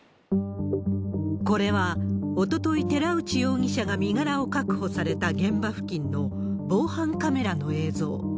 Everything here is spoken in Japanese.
これはおととい、寺内容疑者が身柄を確保された現場付近の、防犯カメラの映像。